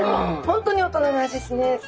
本当に大人の味ですね。